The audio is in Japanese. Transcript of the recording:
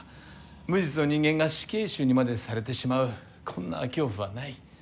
無実の人間が死刑囚にまでされてしまうこんな恐怖はない。